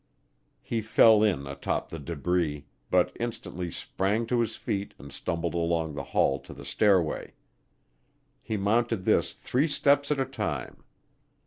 He fell in atop the débris, but instantly sprang to his feet and stumbled along the hall to the stairway. He mounted this three steps at a time.